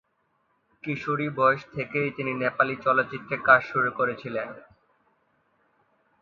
কিশোরী বয়স থেকেই তিনি নেপালি চলচ্চিত্রে কাজ শুরু করেছিলেন।